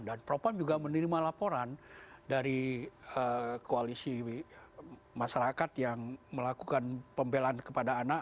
dan propam juga menerima laporan dari koalisi masyarakat yang melakukan pembelaan kepada anak